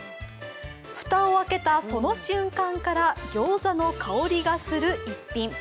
蓋を開けたその瞬間からギョーザの香りがする逸品。